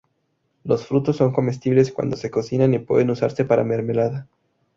Los frutos son comestibles cuando se cocinan y pueden usarse para hacer mermelada.